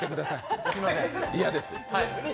嫌です。